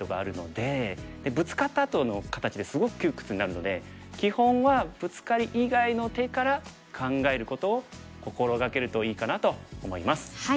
でブツカったあとの形ってすごく窮屈になるので基本はブツカリ以外の手から考えることを心掛けるといいかなと思います。